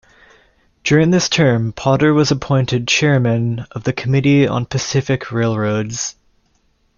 During this term Potter was appointed Chairman of the Committee on Pacific Railroads.